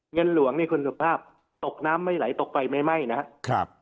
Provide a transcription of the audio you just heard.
เงินหลวงนี่คุณสุภาพตกน้ำไม่ไหลตกไฟไม่ไหม้นะครับ